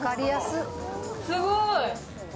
すごい！